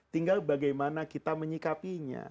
tinggal bagaimana kita menyikapinya